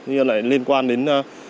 nhưng lại liên quan đến